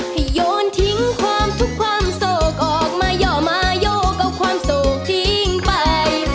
ให้โยนทิ้งความทุกขวามโศกออกมาย่อมายกเอาความโศกทิ้งไป